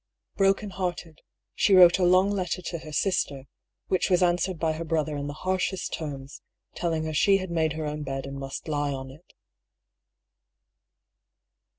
Brokenhearted, she wrote a long letter to her sister, which was answered by her brother in the harshest terms, telling her she had made her own bed and must lie on it.